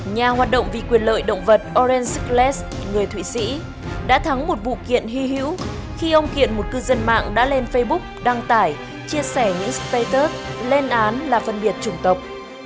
nhà hoạt động vì quyền lợi động vật orensichles người thụy sĩ đã thắng một vụ kiện hy hữu khi ông kiện một cư dân mạng đã lên facebook đăng tải chia sẻ những status lên án là phân biệt chủng tộc